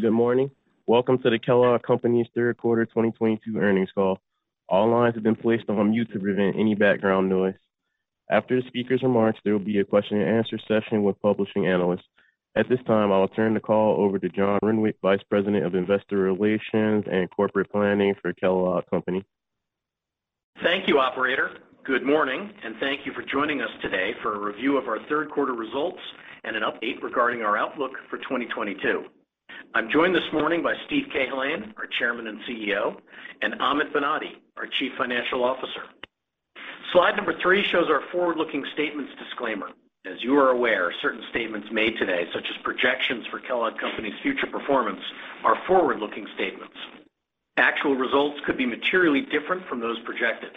Good morning. Welcome to the Kellogg's Third Quarter 2022 Earnings Call. All lines have been placed on mute to prevent any background noise. After the speaker's remarks, there will be a question-and-answer session with publishing analysts. At this time, I'll turn the call over to John Renwick, Vice President of Investor Relations and Corporate Planning for Kellogg. Thank you, operator. Good morning, and thank you for joining us today for a review of our third quarter results and an update regarding our outlook for 2022. I'm joined this morning by Steve Cahillane, our Chairman and CEO, and Amit Banati, our Chief Financial Officer. Slide three shows our forward-looking statements disclaimer. As you are aware, certain statements made today, such as projections for Kellogg's future performance, are forward-looking statements. Actual results could be materially different from those projected.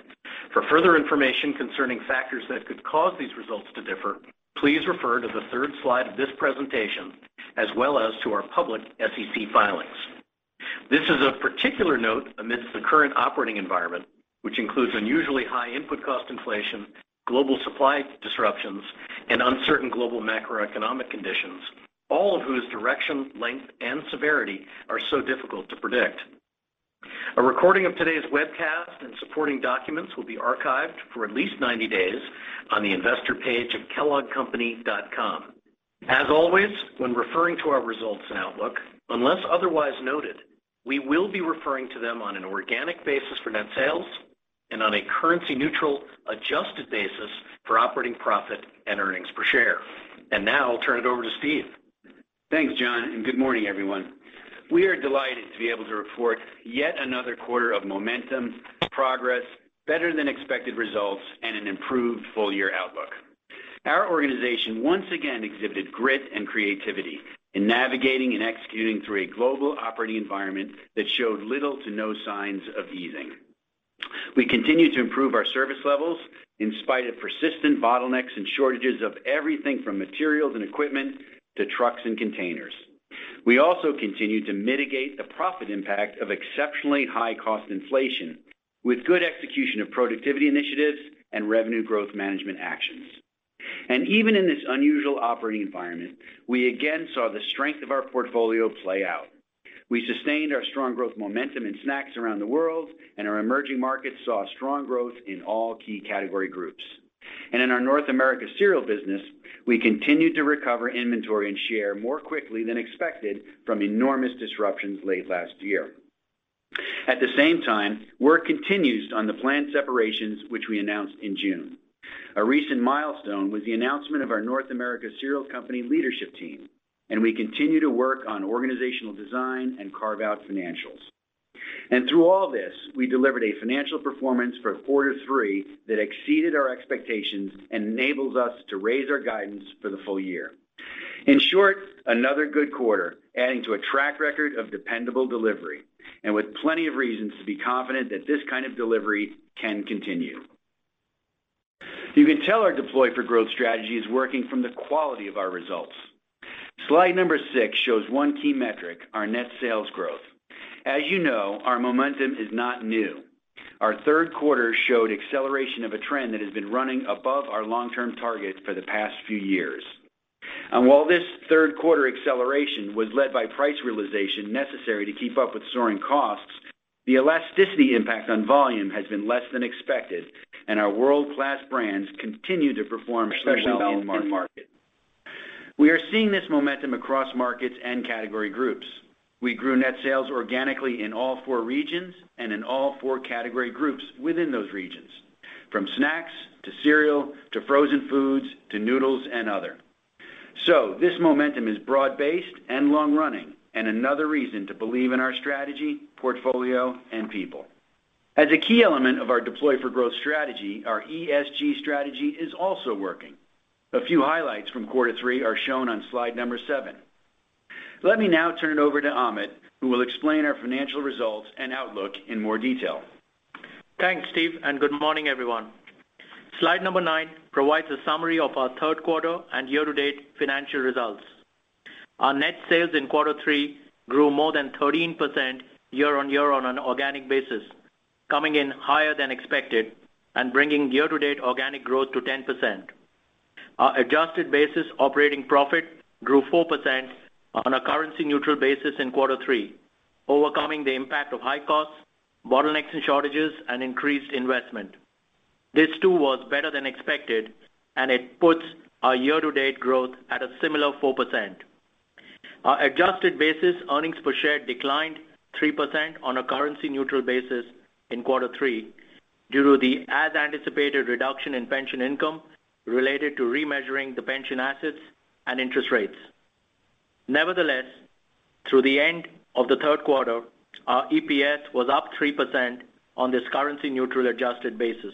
For further information concerning factors that could cause these results to differ, please refer to the third slide of this presentation, as well as to our public SEC filings. This is of particular note amidst the current operating environment, which includes unusually high input cost inflation, global supply disruptions, and uncertain global macroeconomic conditions, all of whose direction, length, and severity are so difficult to predict. A recording of today's webcast and supporting documents will be archived for at least 90 days on the investor page of kelloggcompany.com. As always, when referring to our results and outlook, unless otherwise noted, we will be referring to them on an organic basis for net sales and on a currency-neutral adjusted basis for operating profit and earnings per share. Now I'll turn it over to Steve. Thanks, John, and good morning, everyone. We are delighted to be able to report yet another quarter of momentum, progress, better than expected results, and an improved full-year outlook. Our organization once again exhibited grit and creativity in navigating and executing through a global operating environment that showed little to no signs of easing. We continued to improve our service levels in spite of persistent bottlenecks and shortages of everything from materials and equipment to trucks and containers. We also continued to mitigate the profit impact of exceptionally high cost inflation with good execution of productivity initiatives and revenue growth management actions. Even in this unusual operating environment, we again saw the strength of our portfolio play out. We sustained our strong growth momentum in snacks around the world, and our emerging markets saw strong growth in all key category groups. In our North America Cereal business, we continued to recover inventory and share more quickly than expected from enormous disruptions late last year. At the same time, work continues on the planned separations, which we announced in June. A recent milestone was the announcement of our North America Cereal Co. leadership team, and we continue to work on organizational design and carve out financials. Through all this, we delivered a financial performance for quarter three that exceeded our expectations and enables us to raise our guidance for the full year. In short, another good quarter, adding to a track record of dependable delivery and with plenty of reasons to be confident that this kind of delivery can continue. You can tell our Deploy for Growth strategy is working from the quality of our results. Slide number six shows one key metric, our net sales growth. As you know, our momentum is not new. Our third quarter showed acceleration of a trend that has been running above our long-term targets for the past few years. While this third quarter acceleration was led by price realization necessary to keep up with soaring costs, the elasticity impact on volume has been less than expected, and our world-class brands continue to perform well in the market. We are seeing this momentum across markets and category groups. We grew net sales organically in all four regions and in all four category groups within those regions, from snacks to cereal to frozen foods to noodles and other. This momentum is broad-based and long-running, and another reason to believe in our strategy, portfolio, and people. As a key element of our Deploy for Growth strategy, our ESG strategy is also working. A few highlights from quarter three are shown on slide number seven. Let me now turn it over to Amit, who will explain our financial results and outlook in more detail. Thanks, Steve, and good morning, everyone. Slide nine provides a summary of our third quarter and year-to-date financial results. Our net sales in quarter three grew more than 13% year-on-year on an organic basis, coming in higher than expected and bringing year-to-date organic growth to 10%. Our adjusted basis operating profit grew 4% on a currency neutral basis in quarter three, overcoming the impact of high costs, bottlenecks and shortages and increased investment. This too was better than expected, and it puts our year-to-date growth at a similar 4%. Our adjusted basis earnings per share declined 3% on a currency neutral basis in quarter three due to the as anticipated reduction in pension income related to remeasuring the pension assets and interest rates. Nevertheless, through the end of the third quarter, our EPS was up 3% on this currency neutral adjusted basis.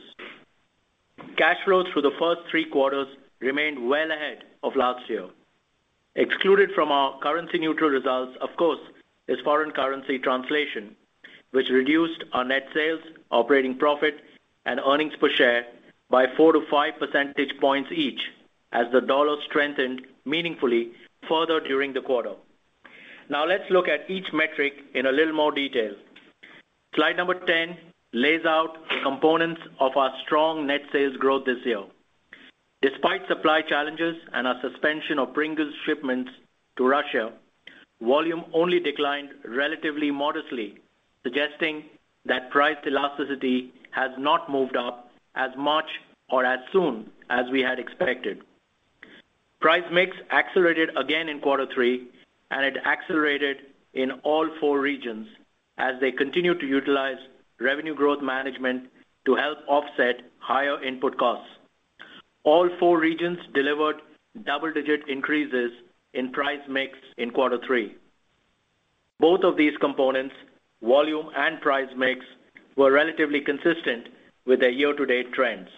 Cash flow through the first three quarters remained well ahead of last year. Excluded from our currency neutral results, of course, is foreign currency translation, which reduced our net sales, operating profit and earnings per share by 4-5 percentage points each as the dollar strengthened meaningfully further during the quarter. Now let's look at each metric in a little more detail. Slide number 10 lays out the components of our strong net sales growth this year. Despite supply challenges and our suspension of Pringles shipments to Russia, volume only declined relatively modestly, suggesting that price elasticity has not moved up as much or as soon as we had expected. Price mix accelerated again in quarter 3, and it accelerated in all four regions as they continued to utilize revenue growth management to help offset higher input costs. All four regions delivered double-digit increases in price mix in quarter 3. Both of these components, volume and price mix, were relatively consistent with their year-to-date trends.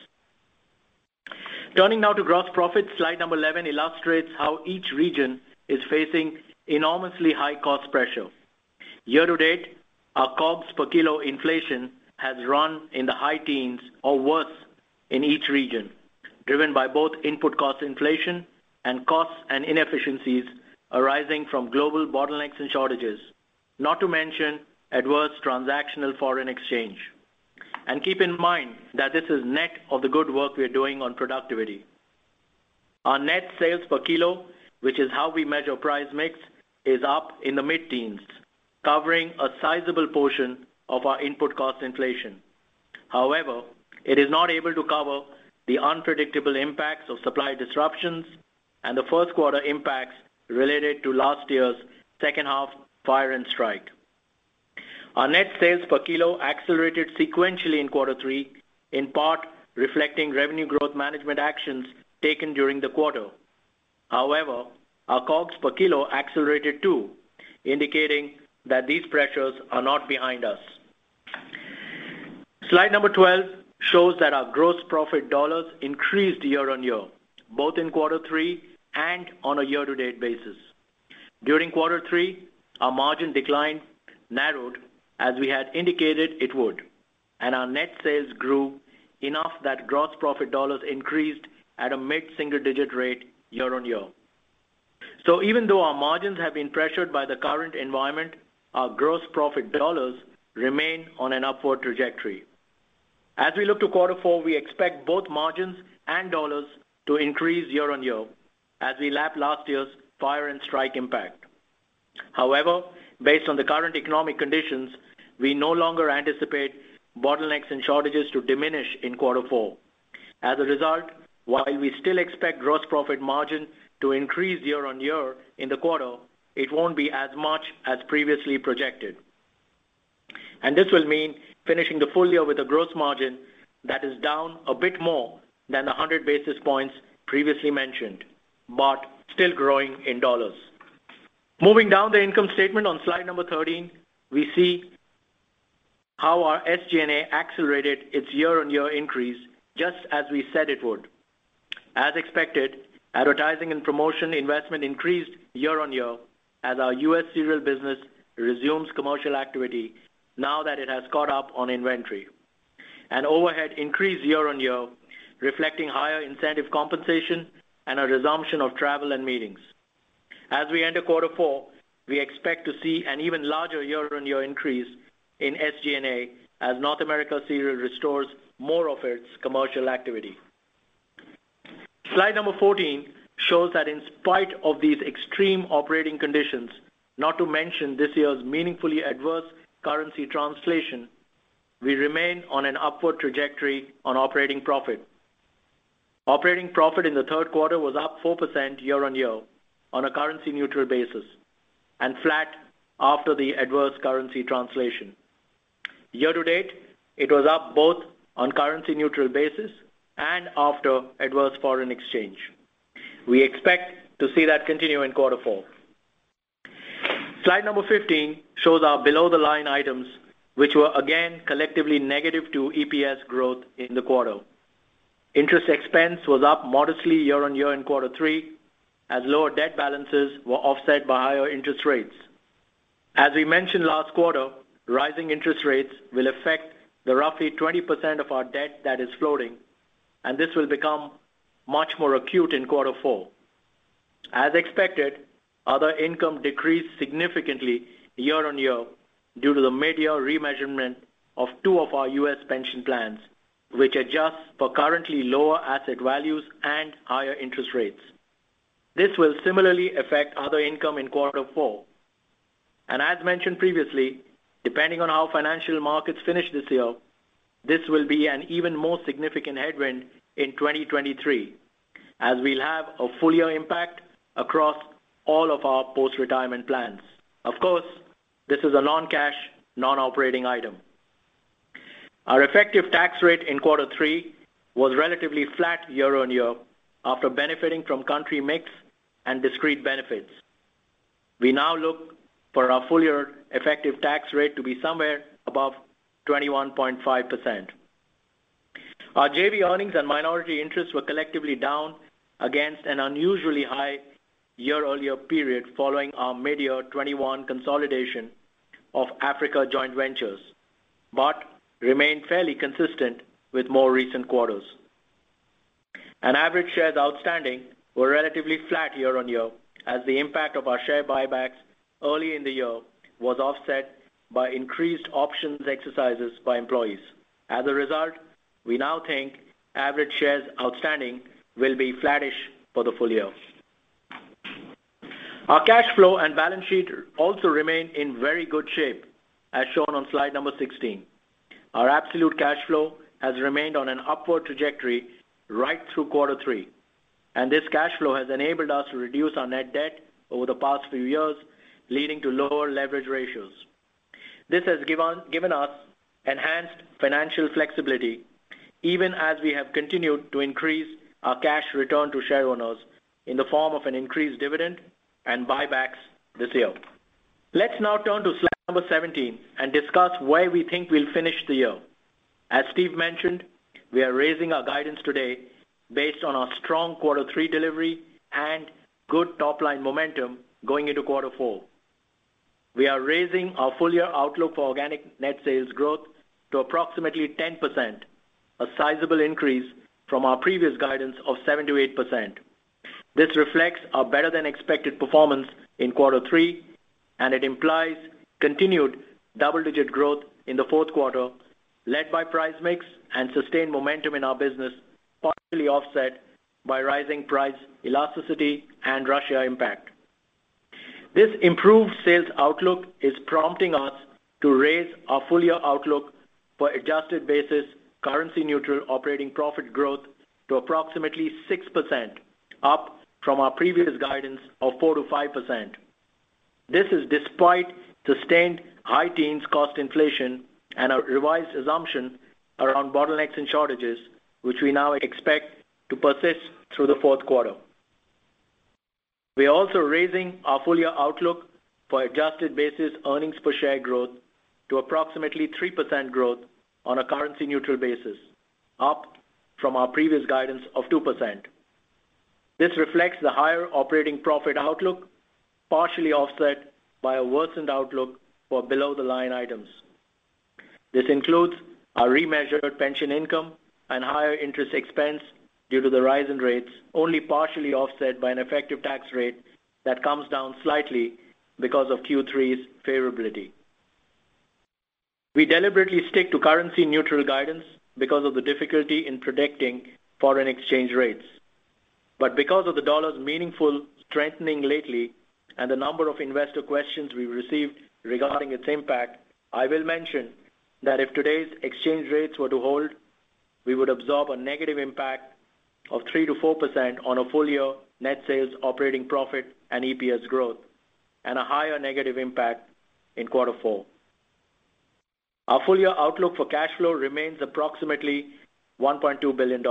Turning now to gross profit, slide number 11 illustrates how each region is facing enormously high cost pressure. Year to date, our COGS per kilo inflation has run in the high teens or worse in each region, driven by both input cost inflation and costs and inefficiencies arising from global bottlenecks and shortages, not to mention adverse transactional foreign exchange. Keep in mind that this is net of the good work we are doing on productivity. Our net sales per kilo, which is how we measure price mix, is up in the mid-teens, covering a sizable portion of our input cost inflation. However, it is not able to cover the unpredictable impacts of supply disruptions and the first quarter impacts related to last year's second half fire and strike. Our net sales per kilo accelerated sequentially in quarter three, in part reflecting revenue growth management actions taken during the quarter. However, our COGS per kilo accelerated, too, indicating that these pressures are not behind us. Slide 12 shows that our gross profit dollars increased year-on-year, both in quarter three and on a year-to-date basis. During quarter three, our margin decline narrowed as we had indicated it would, and our net sales grew enough that gross profit dollars increased at a mid-single-digit rate year-on-year. Even though our margins have been pressured by the current environment, our gross profit dollars remain on an upward trajectory. As we look to quarter four, we expect both margins and dollars to increase year-on-year as we lap last year's fire and strike impact. However, based on the current economic conditions, we no longer anticipate bottlenecks and shortages to diminish in quarter four. As a result, while we still expect gross profit margin to increase year-on-year in the quarter, it won't be as much as previously projected. This will mean finishing the full year with a gross margin that is down a bit more than the 100 basis points previously mentioned, but still growing in dollars. Moving down the income statement on slide number 13, we see how our SG&A accelerated its year-on-year increase just as we said it would. As expected, advertising and promotion investment increased year-over-year as our U.S. cereal business resumes commercial activity now that it has caught up on inventory. Overhead increased year-over-year, reflecting higher incentive compensation and a resumption of travel and meetings. As we enter quarter four, we expect to see an even larger year-over-year increase in SG&A as North America Cereal restores more of its commercial activity. Slide number 14 shows that in spite of these extreme operating conditions, not to mention this year's meaningfully adverse currency translation, we remain on an upward trajectory on operating profit. Operating profit in the third quarter was up 4% year-over-year on a currency-neutral basis and flat after the adverse currency translation. Year to date, it was up both on currency-neutral basis and after adverse foreign exchange. We expect to see that continue in quarter four. Slide number 15 shows our below-the-line items, which were again collectively negative to EPS growth in the quarter. Interest expense was up modestly year-on-year in quarter three, as lower debt balances were offset by higher interest rates. As we mentioned last quarter, rising interest rates will affect the roughly 20% of our debt that is floating, and this will become much more acute in quarter four. As expected, other income decreased significantly year-on-year due to the mid-year remeasurement of two of our U.S. pension plans, which adjust for currently lower asset values and higher interest rates. This will similarly affect other income in quarter four. As mentioned previously, depending on how financial markets finish this year, this will be an even more significant headwind in 2023 as we'll have a full year impact across all of our post-retirement plans. Of course, this is a non-cash, non-operating item. Our effective tax rate in quarter three was relatively flat year-on-year after benefiting from country mix and discrete benefits. We now look for our full year effective tax rate to be somewhere above 21.5%. Our JV earnings and minority interests were collectively down against an unusually high year-on-year period following our mid-year 2021 consolidation of Africa joint ventures, but remained fairly consistent with more recent quarters. Average shares outstanding were relatively flat year-on-year as the impact of our share buybacks early in the year was offset by increased options exercises by employees. As a result, we now think average shares outstanding will be flattish for the full year. Our cash flow and balance sheet also remain in very good shape, as shown on slide number 16. Our absolute cash flow has remained on an upward trajectory right through quarter three, and this cash flow has enabled us to reduce our net debt over the past few years, leading to lower leverage ratios. This has given us enhanced financial flexibility even as we have continued to increase our cash return to shareowners in the form of an increased dividend and buybacks this year. Let's now turn to slide number 17 and discuss where we think we'll finish the year. As Steve mentioned, we are raising our guidance today based on our strong quarter three delivery and good top line momentum going into quarter four. We are raising our full year outlook for organic net sales growth to approximately 10%, a sizable increase from our previous guidance of 7%-8%. This reflects our better than expected performance in quarter three, and it implies continued double-digit growth in the fourth quarter, led by price mix and sustained momentum in our business, partially offset by rising price elasticity and Russia impact. This improved sales outlook is prompting us to raise our full year outlook for adjusted basis, currency neutral operating profit growth to approximately 6%, up from our previous guidance of 4%-5%. This is despite sustained high teens cost inflation and a revised assumption around bottlenecks and shortages, which we now expect to persist through the fourth quarter. We are also raising our full year outlook for adjusted basis earnings per share growth to approximately 3% growth on a currency neutral basis, up from our previous guidance of 2%. This reflects the higher operating profit outlook, partially offset by a worsened outlook for below-the-line items. This includes our remeasured pension income and higher interest expense due to the rise in rates, only partially offset by an effective tax rate that comes down slightly because of Q3's favorability. We deliberately stick to currency-neutral guidance because of the difficulty in predicting foreign exchange rates. Because of the dollar's meaningful strengthening lately and the number of investor questions we've received regarding its impact, I will mention that if today's exchange rates were to hold, we would absorb a negative impact of 3%-4% on full-year net sales, operating profit, and EPS growth, and a higher negative impact in quarter four. Our full-year outlook for cash flow remains approximately $1.2 billion.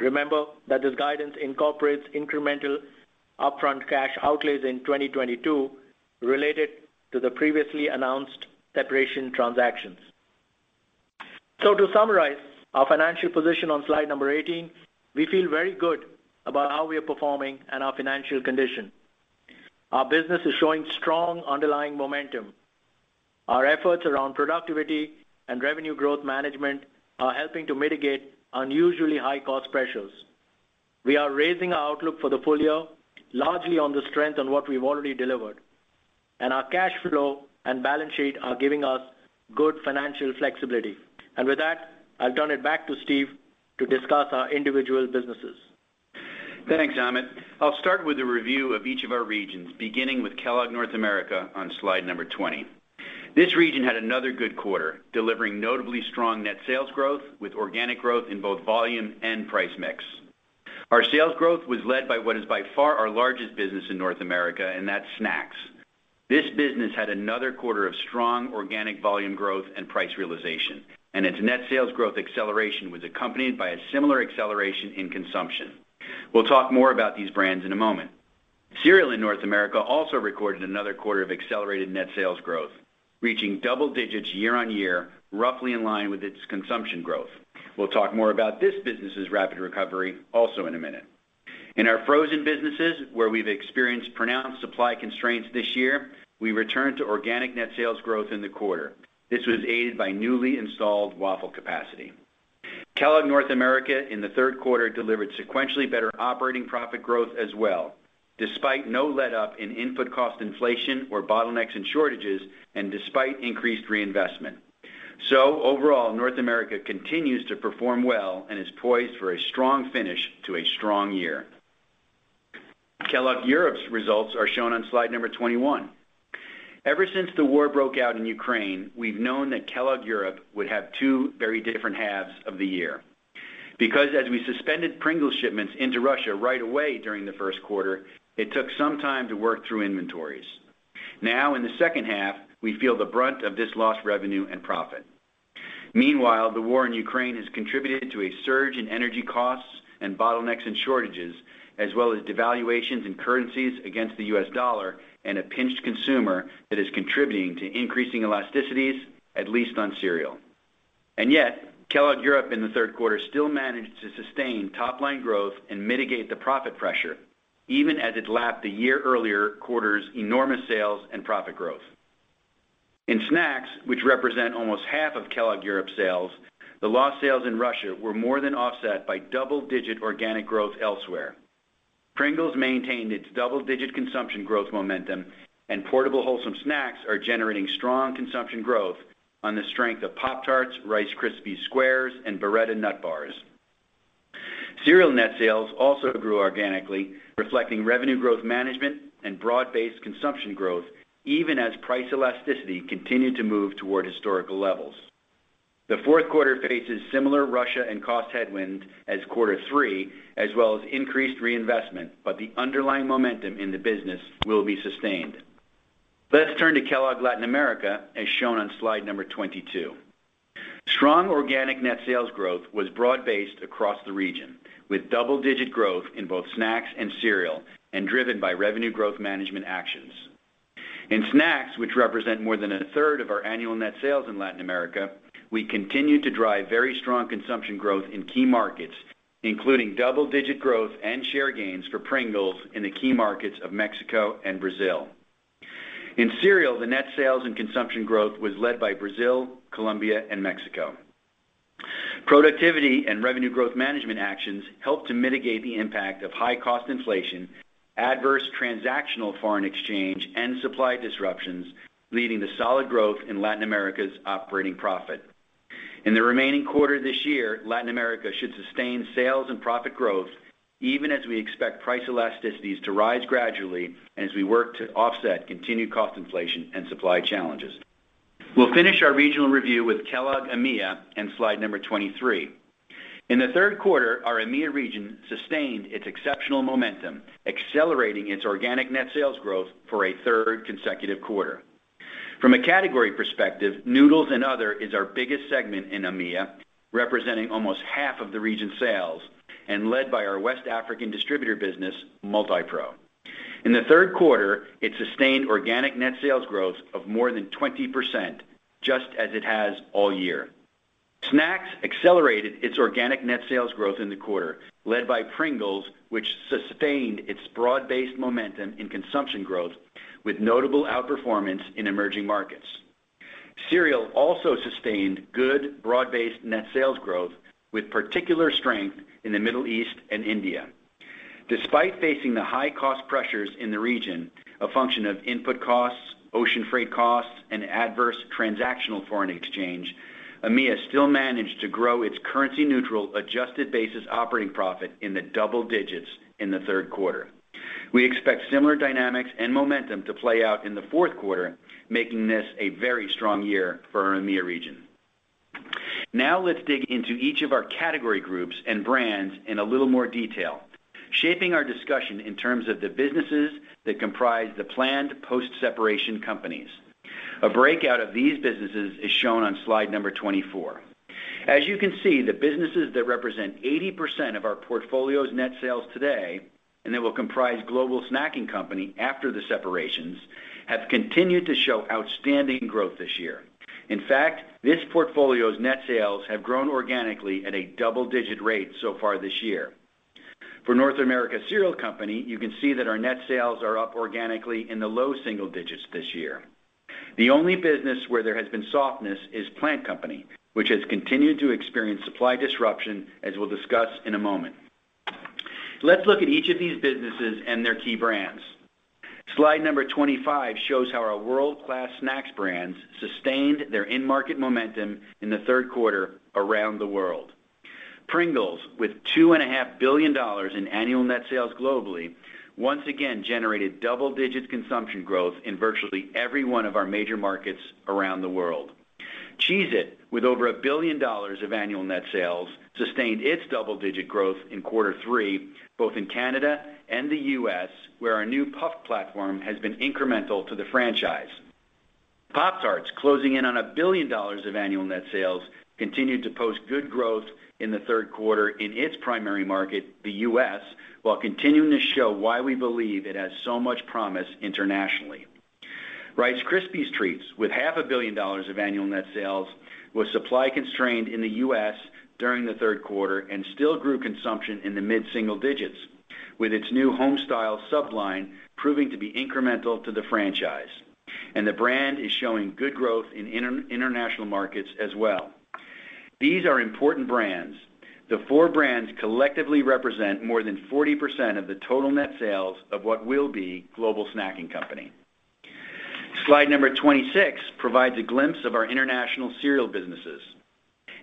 Remember that this guidance incorporates incremental upfront cash outlays in 2022 related to the previously announced separation transactions. To summarize our financial position on slide number 18, we feel very good about how we are performing and our financial condition. Our business is showing strong underlying momentum. Our efforts around productivity and revenue growth management are helping to mitigate unusually high cost pressures. We are raising our outlook for the full year largely on the strength on what we've already delivered, and our cash flow and balance sheet are giving us good financial flexibility. With that, I'll turn it back to Steve to discuss our individual businesses. Thanks, Amit. I'll start with a review of each of our regions, beginning with Kellogg North America on slide number 20. This region had another good quarter, delivering notably strong net sales growth with organic growth in both volume and price mix. Our sales growth was led by what is by far our largest business in North America, and that's snacks. This business had another quarter of strong organic volume growth and price realization, and its net sales growth acceleration was accompanied by a similar acceleration in consumption. We'll talk more about these brands in a moment. Cereal in North America also recorded another quarter of accelerated net sales growth, reaching double digits year-on-year, roughly in line with its consumption growth. We'll talk more about this business's rapid recovery also in a minute. In our frozen businesses, where we've experienced pronounced supply constraints this year, we returned to organic net sales growth in the quarter. This was aided by newly installed waffle capacity. Kellogg North America in the third quarter delivered sequentially better operating profit growth as well, despite no letup in input cost inflation or bottlenecks and shortages, and despite increased reinvestment. Overall, North America continues to perform well and is poised for a strong finish to a strong year. Kellogg Europe's results are shown on slide number 21. Ever since the war broke out in Ukraine, we've known that Kellogg Europe would have two very different halves of the year. Because as we suspended Pringles shipments into Russia right away during the first quarter, it took some time to work through inventories. Now in the second half, we feel the brunt of this lost revenue and profit. Meanwhile, the war in Ukraine has contributed to a surge in energy costs and bottlenecks and shortages, as well as devaluations in currencies against the U.S. dollar and a pinched consumer that is contributing to increasing elasticities, at least on cereal. Yet, Kellogg Europe in the third quarter still managed to sustain top line growth and mitigate the profit pressure, even as it lapped the year earlier quarter's enormous sales and profit growth. In snacks, which represent almost half of Kellogg Europe's sales, the lost sales in Russia were more than offset by double-digit organic growth elsewhere. Pringles maintained its double-digit consumption growth momentum, and portable wholesome snacks are generating strong consumption growth on the strength of Pop-Tarts, Rice Krispies Squares, and BEAR nut bars. Cereal net sales also grew organically, reflecting revenue growth management and broad-based consumption growth, even as price elasticity continued to move toward historical levels. The fourth quarter faces similar Russia and cost headwinds as quarter three, as well as increased reinvestment, but the underlying momentum in the business will be sustained. Let's turn to Kellogg Latin America, as shown on slide number 22. Strong organic net sales growth was broad-based across the region, with double-digit growth in both snacks and cereal, and driven by revenue growth management actions. In snacks, which represent more than a third of our annual net sales in Latin America, we continued to drive very strong consumption growth in key markets, including double-digit growth and share gains for Pringles in the key markets of Mexico and Brazil. In cereal, the net sales and consumption growth was led by Brazil, Colombia, and Mexico. Productivity and revenue growth management actions helped to mitigate the impact of high cost inflation, adverse transactional foreign exchange, and supply disruptions, leading to solid growth in Latin America's operating profit. In the remaining quarter this year, Latin America should sustain sales and profit growth even as we expect price elasticities to rise gradually as we work to offset continued cost inflation and supply challenges. We'll finish our regional review with Kellogg AMEA in slide number 23. In the third quarter, our AMEA region sustained its exceptional momentum, accelerating its organic net sales growth for a third consecutive quarter. From a category perspective, noodles and other is our biggest segment in AMEA, representing almost half of the region's sales and led by our West African distributor business, Multipro. In the third quarter, it sustained organic net sales growth of more than 20%, just as it has all year. Snacks accelerated its organic net sales growth in the quarter, led by Pringles, which sustained its broad-based momentum in consumption growth with notable outperformance in emerging markets. Cereal also sustained good broad-based net sales growth, with particular strength in the Middle East and India. Despite facing the high cost pressures in the region, a function of input costs, ocean freight costs, and adverse transactional foreign exchange, AMEA still managed to grow its currency neutral adjusted basis operating profit in the double digits in the third quarter. We expect similar dynamics and momentum to play out in the fourth quarter, making this a very strong year for our AMEA region. Now let's dig into each of our category groups and brands in a little more detail, shaping our discussion in terms of the businesses that comprise the planned post-separation companies. A breakout of these businesses is shown on slide number 24. As you can see, the businesses that represent 80% of our portfolio's net sales today, and that will comprise Global Snacking Co. after the separations, have continued to show outstanding growth this year. In fact, this portfolio's net sales have grown organically at a double-digit rate so far this year. For North America Cereal Co., you can see that our net sales are up organically in the low single digits this year. The only business where there has been softness is Plant Co., which has continued to experience supply disruption, as we'll discuss in a moment. Let's look at each of these businesses and their key brands. Slide number 25 shows how our world-class snacks brands sustained their in-market momentum in the third quarter around the world. Pringles, with $2.5 billion in annual net sales globally, once again generated double-digit consumption growth in virtually every one of our major markets around the world. Cheez-It, with over $1 billion of annual net sales, sustained its double-digit growth in quarter three, both in Canada and the U.S., where our new puff platform has been incremental to the franchise. Pop-Tarts, closing in on $1 billion of annual net sales, continued to post good growth in the third quarter in its primary market, the U.S., while continuing to show why we believe it has so much promise internationally. Rice Krispies Treats, with half a billion dollars of annual net sales, was supply constrained in the U.S. during the third quarter and still grew consumption in the mid-single digits, with its new Homestyle sub line proving to be incremental to the franchise. The brand is showing good growth in international markets as well. These are important brands. The four brands collectively represent more than 40% of the total net sales of what will be Global Snacking Company. Slide number 26 provides a glimpse of our international cereal businesses.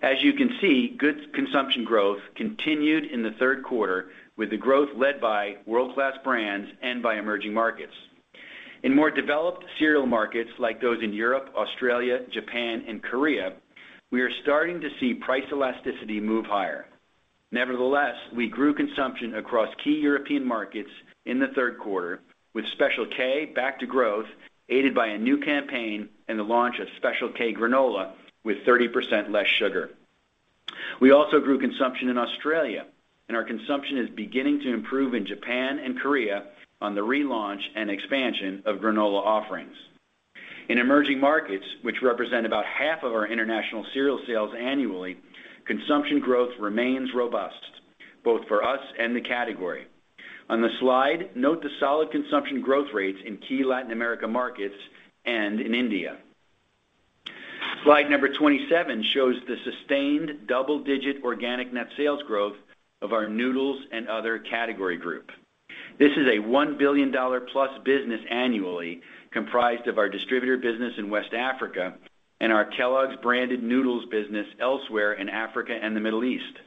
As you can see, good consumption growth continued in the third quarter, with the growth led by world-class brands and by emerging markets. In more developed cereal markets like those in Europe, Australia, Japan, and Korea, we are starting to see price elasticity move higher. Nevertheless, we grew consumption across key European markets in the third quarter, with Special K back to growth, aided by a new campaign and the launch of Special K Granola with 30% less sugar. We also grew consumption in Australia, and our consumption is beginning to improve in Japan and Korea on the relaunch and expansion of granola offerings. In emerging markets, which represent about half of our international cereal sales annually, consumption growth remains robust, both for us and the category. On the slide, note the solid consumption growth rates in key Latin America markets and in India. Slide number 27 shows the sustained double-digit organic net sales growth of our noodles and other category group. This is a $1 billion+ business annually comprised of our distributor business in West Africa and our Kellogg's branded noodles business elsewhere in Africa and the Middle East.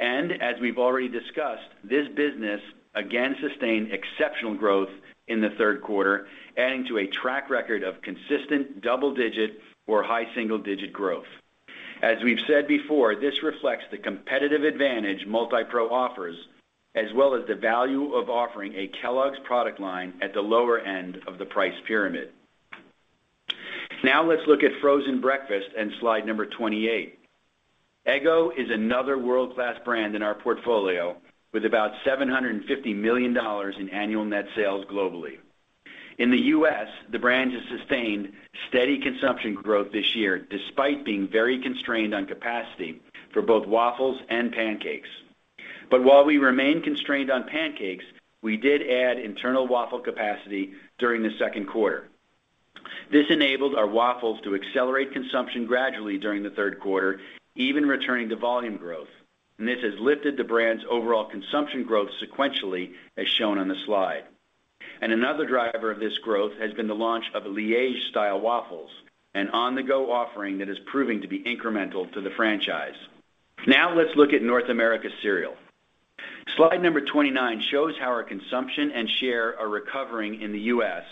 As we've already discussed, this business again sustained exceptional growth in the third quarter, adding to a track record of consistent double-digit or high single-digit growth. As we've said before, this reflects the competitive advantage Multipro offers, as well as the value of offering a Kellogg's product line at the lower end of the price pyramid. Now let's look at frozen breakfast and slide number 28. Eggo is another world-class brand in our portfolio with about $750 million in annual net sales globally. In the U.S., the brand has sustained steady consumption growth this year, despite being very constrained on capacity for both waffles and pancakes. But while we remain constrained on pancakes, we did add internal waffle capacity during the second quarter. This enabled our waffles to accelerate consumption gradually during the third quarter, even returning to volume growth, and this has lifted the brand's overall consumption growth sequentially, as shown on the slide. Another driver of this growth has been the launch of Liège-style waffles, an on-the-go offering that is proving to be incremental to the franchise. Now let's look at North America Cereal. Slide number 29 shows how our consumption and share are recovering in the U.S.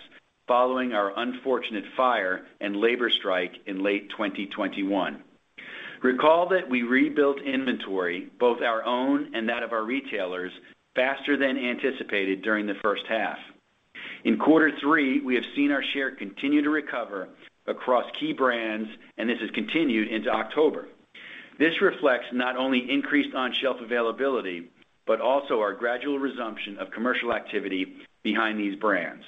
following our unfortunate fire and labor strike in late 2021. Recall that we rebuilt inventory, both our own and that of our retailers, faster than anticipated during the first half. In quarter three, we have seen our share continue to recover across key brands, and this has continued into October. This reflects not only increased on-shelf availability, but also our gradual resumption of commercial activity behind these brands.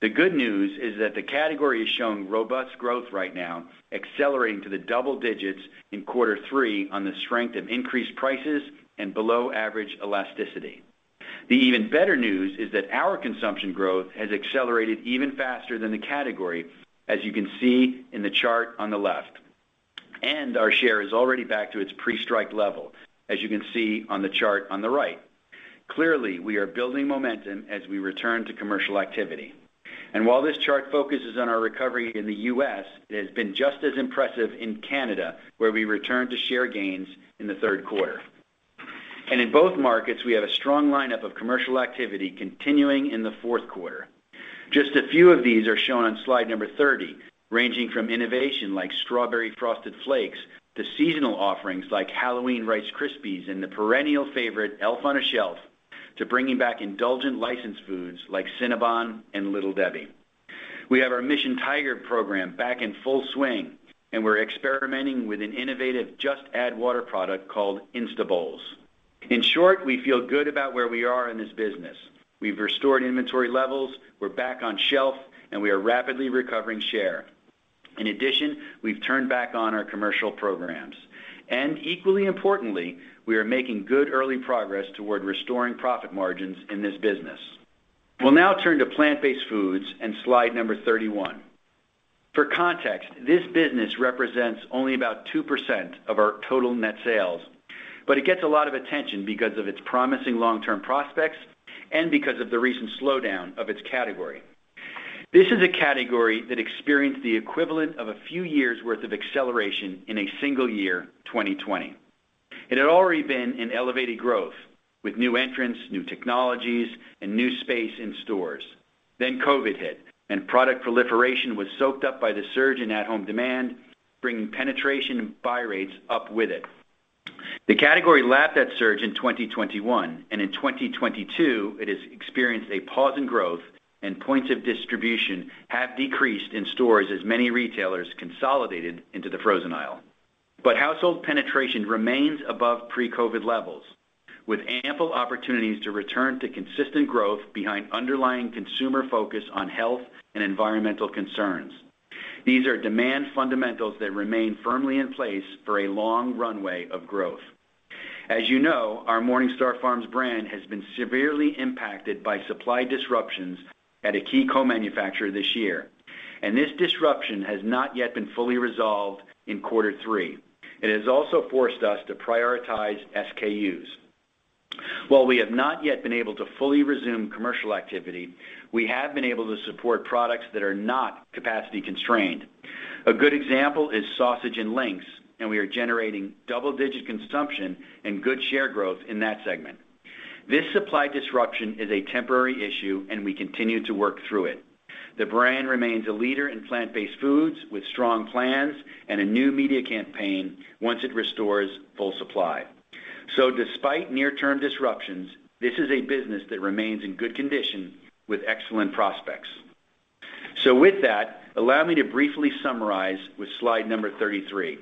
The good news is that the category is showing robust growth right now, accelerating to the double digits in quarter three on the strength of increased prices and below average elasticity. The even better news is that our consumption growth has accelerated even faster than the category, as you can see in the chart on the left, and our share is already back to its pre-strike level, as you can see on the chart on the right. Clearly, we are building momentum as we return to commercial activity. While this chart focuses on our recovery in the U.S., it has been just as impressive in Canada, where we returned to share gains in the third quarter. In both markets, we have a strong lineup of commercial activity continuing in the fourth quarter. Just a few of these are shown on slide number 30, ranging from innovation like Strawberry Frosted Flakes to seasonal offerings like Halloween Rice Krispies and the perennial favorite Elf on the Shelf, to bringing back indulgent licensed foods like Cinnabon and Little Debbie. We have our Mission Tiger program back in full swing, and we're experimenting with an innovative just add water product called Insta-Bowls. In short, we feel good about where we are in this business. We've restored inventory levels, we're back on shelf, and we are rapidly recovering share. In addition, we've turned back on our commercial programs, and equally importantly, we are making good early progress toward restoring profit margins in this business. We'll now turn to plant-based foods and slide number 31. For context, this business represents only about 2% of our total net sales, but it gets a lot of attention because of its promising long-term prospects and because of the recent slowdown of its category. This is a category that experienced the equivalent of a few years' worth of acceleration in a single year, 2020. It had already been in elevated growth with new entrants, new technologies, and new space in stores. COVID hit, and product proliferation was soaked up by the surge in at-home demand, bringing penetration and buy rates up with it. The category lapped that surge in 2021, and in 2022, it has experienced a pause in growth, and points of distribution have decreased in stores as many retailers consolidated into the frozen aisle. Household penetration remains above pre-COVID levels, with ample opportunities to return to consistent growth behind underlying consumer focus on health and environmental concerns. These are demand fundamentals that remain firmly in place for a long runway of growth. As you know, our MorningStar Farms brand has been severely impacted by supply disruptions at a key co-manufacturer this year, and this disruption has not yet been fully resolved in quarter three. It has also forced us to prioritize SKUs. While we have not yet been able to fully resume commercial activity, we have been able to support products that are not capacity constrained. A good example is sausage links, and we are generating double-digit consumption and good share growth in that segment. This supply disruption is a temporary issue, and we continue to work through it. The brand remains a leader in plant-based foods with strong plans and a new media campaign once it restores full supply. Despite near-term disruptions, this is a business that remains in good condition with excellent prospects. With that, allow me to briefly summarize with slide number 33.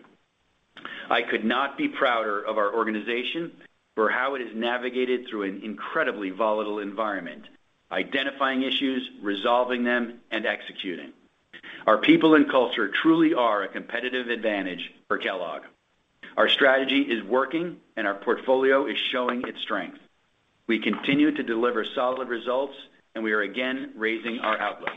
I could not be prouder of our organization for how it has navigated through an incredibly volatile environment, identifying issues, resolving them, and executing. Our people and culture truly are a competitive advantage for Kellogg. Our strategy is working, and our portfolio is showing its strength. We continue to deliver solid results, and we are again raising our outlook.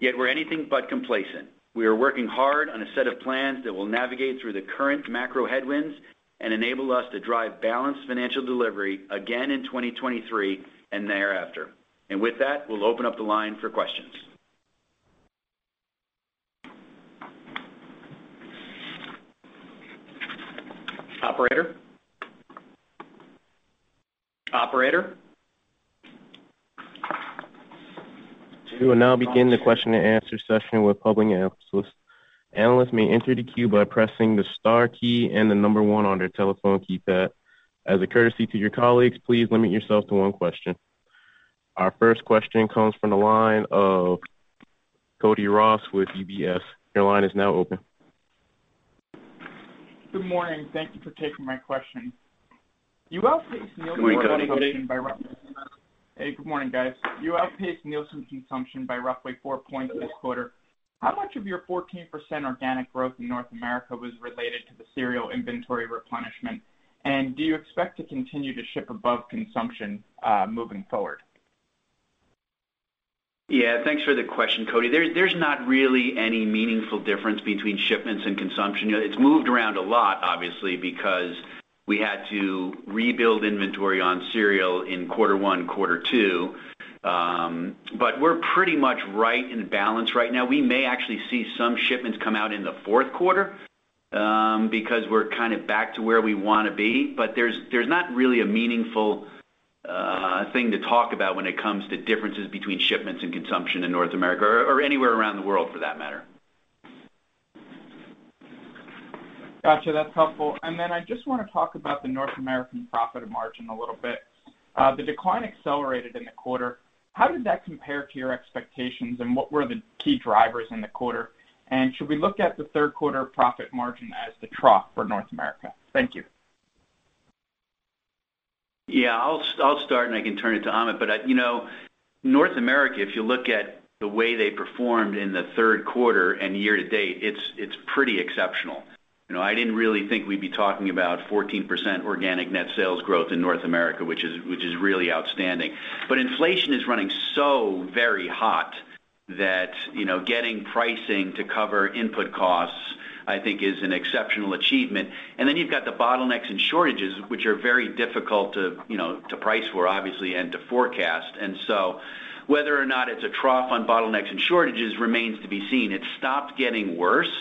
Yet we're anything but complacent. We are working hard on a set of plans that will navigate through the current macro headwinds and enable us to drive balanced financial delivery again in 2023 and thereafter. With that, we'll open up the line for questions. Operator? Operator? We will now begin the question and answer session with public analysts. Analysts may enter the queue by pressing the star key and the number one on their telephone keypad. As a courtesy to your colleagues, please limit yourself to one question. Our first question comes from the line of Cody Ross with UBS. Your line is now open. Good morning. Thank you for taking my question. You outpaced Nielsen. Good morning, Cody. Hey, good morning, guys. You outpaced Nielsen consumption by roughly 4 points this quarter. How much of your 14% organic growth in North America was related to the cereal inventory replenishment? Do you expect to continue to ship above consumption moving forward? Yeah, thanks for the question, Cody. There's not really any meaningful difference between shipments and consumption. You know, it's moved around a lot, obviously, because we had to rebuild inventory on cereal in quarter one, quarter two. But we're pretty much right in balance right now. We may actually see some shipments come out in the fourth quarter, because we're kind of back to where we wanna be. But there's not really a meaningful thing to talk about when it comes to differences between shipments and consumption in North America or anywhere around the world for that matter. Gotcha. That's helpful. Then I just wanna talk about the North American profit margin a little bit. The decline accelerated in the quarter. How did that compare to your expectations, and what were the key drivers in the quarter? Should we look at the third quarter profit margin as the trough for North America? Thank you. Yeah, I'll start and I can turn it to Amit. You know, North America, if you look at the way they performed in the third quarter and year to date, it's pretty exceptional. You know, I didn't really think we'd be talking about 14% organic net sales growth in North America, which is really outstanding. Inflation is running so very hot that, you know, getting pricing to cover input costs, I think is an exceptional achievement. You've got the bottlenecks and shortages, which are very difficult to, you know, to price for, obviously, and to forecast. Whether or not it's a trough on bottlenecks and shortages remains to be seen. It's stopped getting worse,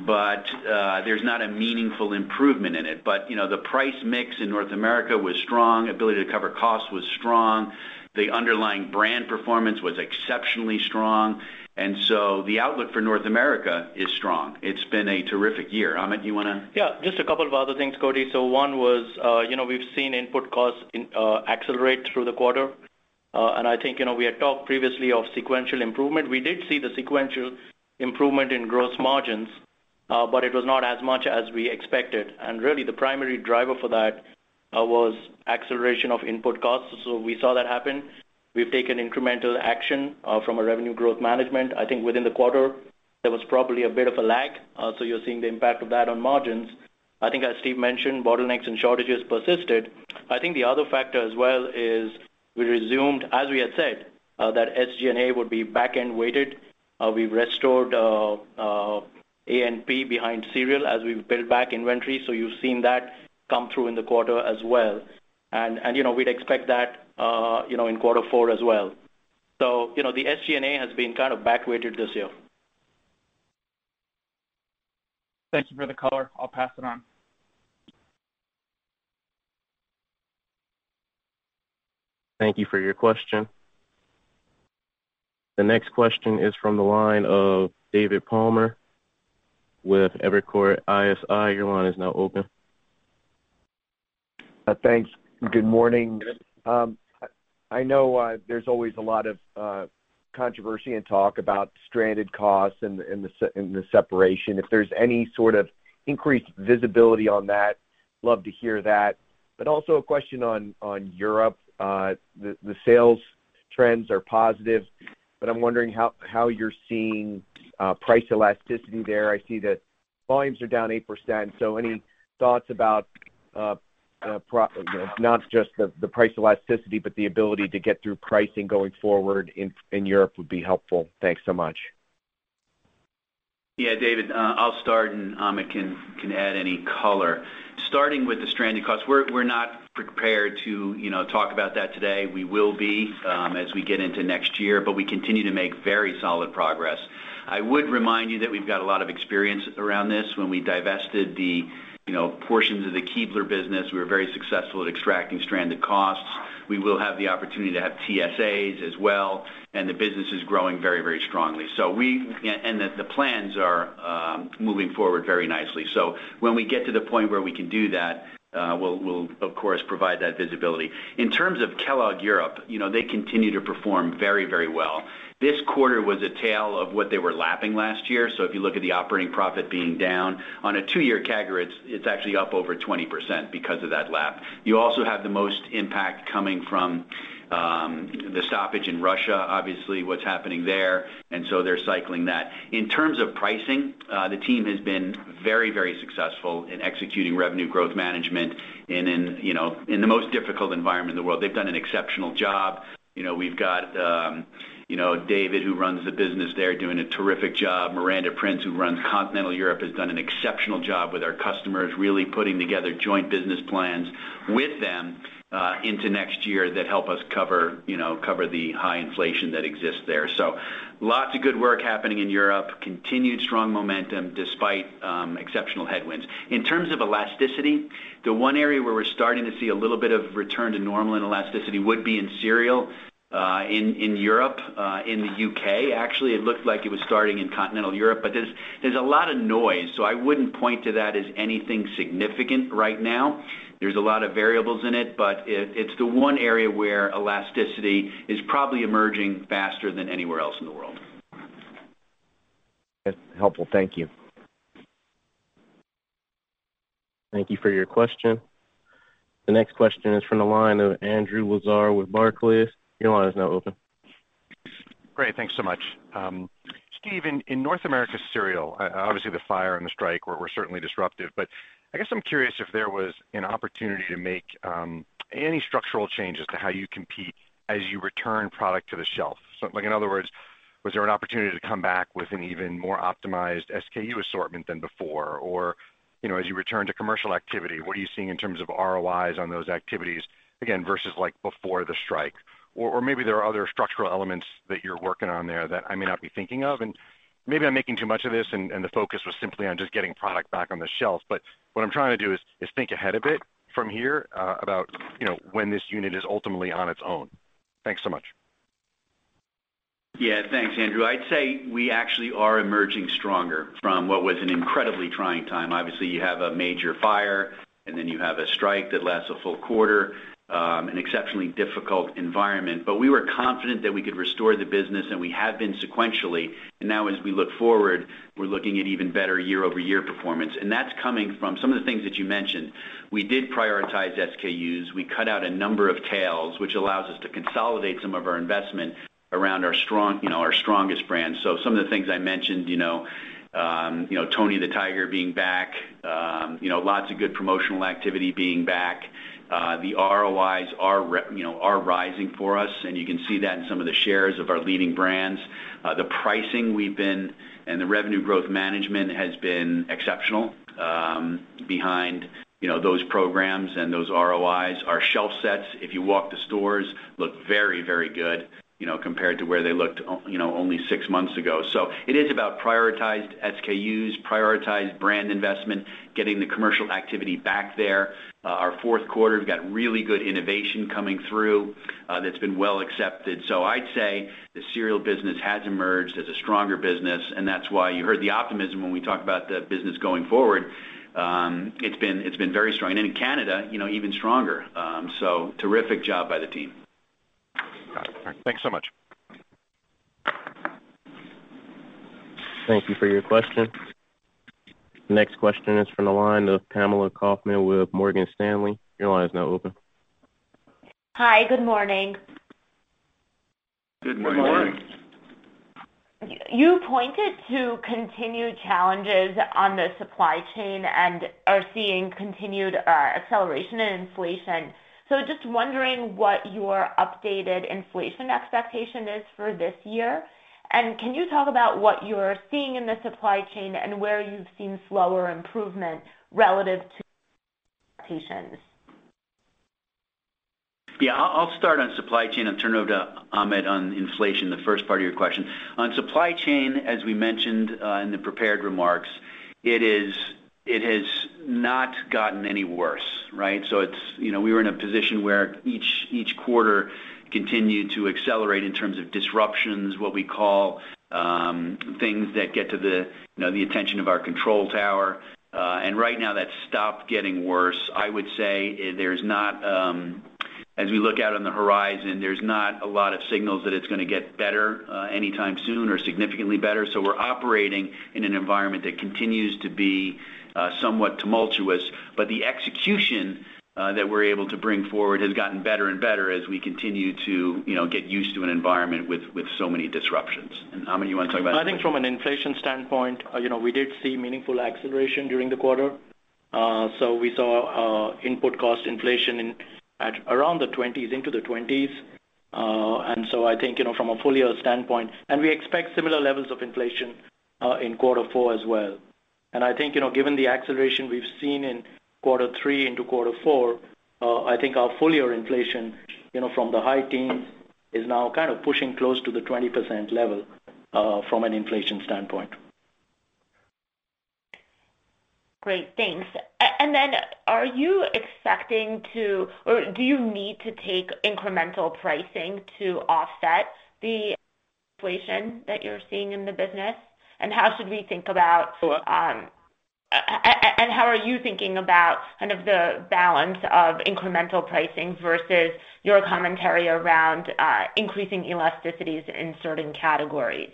but there's not a meaningful improvement in it. You know, the price mix in North America was strong. Ability to cover costs was strong. The underlying brand performance was exceptionally strong. The outlook for North America is strong. It's been a terrific year. Amit, you wanna? Yeah, just a couple of other things, Cody. One was, you know, we've seen input costs accelerate through the quarter. I think, you know, we had talked previously of sequential improvement. We did see the sequential improvement in gross margins, but it was not as much as we expected. Really, the primary driver for that was acceleration of input costs. We saw that happen. We've taken incremental action from a revenue growth management. I think within the quarter, there was probably a bit of a lag, so you're seeing the impact of that on margins. I think as Steve mentioned, bottlenecks and shortages persisted. I think the other factor as well is we resumed, as we had said, that SG&A would be back-end weighted. We restored A&P behind cereal as we've built back inventory. You've seen that come through in the quarter as well. you know, we'd expect that, you know, in quarter four as well. you know, the SG&A has been kind of back weighted this year. Thank you for the color. I'll pass it on. Thank you for your question. The next question is from the line of David Palmer with Evercore ISI. Your line is now open. Thanks. Good morning. I know there's always a lot of controversy and talk about stranded costs and the separation. If there's any sort of increased visibility on that, love to hear that. But also a question on Europe. The sales trends are positive, but I'm wondering how you're seeing price elasticity there. I see that volumes are down 8%, so any thoughts about not just the price elasticity, but the ability to get through pricing going forward in Europe would be helpful. Thanks so much. Yeah, David, I'll start and Amit can add any color. Starting with the stranded costs, we're not prepared to, you know, talk about that today. We will be, as we get into next year, but we continue to make very solid progress. I would remind you that we've got a lot of experience around this. When we divested the, you know, portions of the Keebler business, we were very successful at extracting stranded costs. We will have the opportunity to have TSAs as well, and the business is growing very, very strongly. The plans are moving forward very nicely. When we get to the point where we can do that, we'll of course provide that visibility. In terms of Kellogg Europe, you know, they continue to perform very, very well. This quarter was a tale of what they were lapping last year. If you look at the operating profit being down on a two-year CAGR, it's actually up over 20% because of that lap. You also have the most impact coming from the stoppage in Russia, obviously, what's happening there, and they're cycling that. In terms of pricing, the team has been very, very successful in executing revenue growth management and in the most difficult environment in the world, they've done an exceptional job. You know, we've got David Lawlor, who runs the business, they're doing a terrific job. Miranda Prince, who runs Continental Europe, has done an exceptional job with our customers, really putting together joint business plans with them into next year that help us cover, you know, cover the high inflation that exists there. Lots of good work happening in Europe. Continued strong momentum despite exceptional headwinds. In terms of elasticity, the one area where we're starting to see a little bit of return to normal and elasticity would be in cereal, in Europe, in the U.K. Actually, it looked like it was starting in continental Europe, but there's a lot of noise, so I wouldn't point to that as anything significant right now. There's a lot of variables in it, but it's the one area where elasticity is probably emerging faster than anywhere else in the world. That's helpful. Thank you. Thank you for your question. The next question is from the line of Andrew Lazar with Barclays. Your line is now open. Great. Thanks so much. Steve, in North America cereal, obviously, the fire and the strike were certainly disruptive, but I guess I'm curious if there was an opportunity to make any structural changes to how you compete as you return product to the shelf. Like, in other words, was there an opportunity to come back with an even more optimized SKU assortment than before? Or, you know, as you return to commercial activity, what are you seeing in terms of ROIs on those activities, again, versus, like, before the strike? Or maybe there are other structural elements that you're working on there that I may not be thinking of. Maybe I'm making too much of this and the focus was simply on just getting product back on the shelf. What I'm trying to do is think ahead a bit from here, about, you know, when this unit is ultimately on its own. Thanks so much. Yeah. Thanks, Andrew. I'd say we actually are emerging stronger from what was an incredibly trying time. Obviously, you have a major fire, and then you have a strike that lasts a full quarter, an exceptionally difficult environment. We were confident that we could restore the business, and we have been sequentially. Now as we look forward, we're looking at even better year-over-year performance. That's coming from some of the things that you mentioned. We did prioritize SKUs. We cut out a number of tails, which allows us to consolidate some of our investment around our strong, you know, our strongest brands. Some of the things I mentioned, you know, you know, Tony the Tiger being back, you know, lots of good promotional activity being back. The ROIs are, you know, rising for us, and you can see that in some of the shares of our leading brands. The pricing we've been and the revenue growth management has been exceptional, behind, you know, those programs and those ROIs. Our shelf sets, if you walk the stores, look very, very good, you know, compared to where they looked, you know, only six months ago. It is about prioritized SKUs, prioritized brand investment, getting the commercial activity back there. Our fourth quarter's got really good innovation coming through, that's been well accepted. I'd say the cereal business has emerged as a stronger business, and that's why you heard the optimism when we talk about the business going forward. It's been very strong. In Canada, you know, even stronger. Terrific job by the team. Got it. All right. Thanks so much. Thank you for your question. Next question is from the line of Pamela Kaufman with Morgan Stanley. Your line is now open. Hi. Good morning. Good morning. You pointed to continued challenges on the supply chain and are seeing continued acceleration in inflation. So just wondering what your updated inflation expectation is for this year. Can you talk about what you're seeing in the supply chain and where you've seen slower improvement relative to expectations? Yeah. I'll start on supply chain and turn over to Amit on inflation, the first part of your question. On supply chain, as we mentioned in the prepared remarks, it has not gotten any worse, right? It's you know, we were in a position where each quarter continued to accelerate in terms of disruptions, what we call things that get to the attention of our control tower. Right now that's stopped getting worse. I would say there's not, as we look out on the horizon, there's not a lot of signals that it's gonna get better anytime soon or significantly better. We're operating in an environment that continues to be somewhat tumultuous, but the execution that we're able to bring forward has gotten better and better as we continue to, you know, get used to an environment with so many disruptions. Amit, you wanna talk about inflation? I think from an inflation standpoint, you know, we did see meaningful acceleration during the quarter. We saw input cost inflation at around the 20s, into the 20s. I think, you know, from a full-year standpoint we expect similar levels of inflation in quarter four as well. I think, you know, given the acceleration we've seen in quarter three into quarter four, I think our full-year inflation, you know, from the high teens is now kind of pushing close to the 20% level from an inflation standpoint. Great. Thanks. Are you expecting to or do you need to take incremental pricing to offset the inflation that you're seeing in the business? How are you thinking about kind of the balance of incremental pricing versus your commentary around increasing elasticities in certain categories?